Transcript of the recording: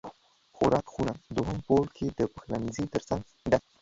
خوراک خونه دوهم پوړ کې د پخلنځی تر څنګ ده